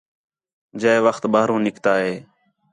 جئے وخت ٻاہروں نِکتا ہِے